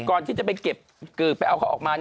ก่อนที่จะไปเก็บไปเอาเขาออกมา